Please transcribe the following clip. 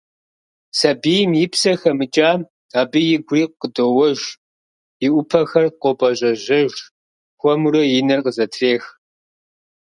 Сабийм и псэ хэмыкӏам абы игури къыдоуэж, и ӏупэхэр къопӏэжьэжьэж, хуэмурэ и нэр къызэтрех…